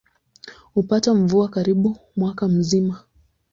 Hupata mvua karibu mwaka mzima.